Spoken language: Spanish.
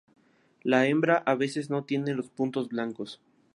La hembra a veces no tiene los puntos blancos.